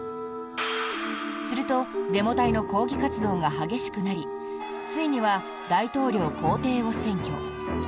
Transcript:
するとデモ隊の抗議活動が激しくなりついには大統領公邸を占拠。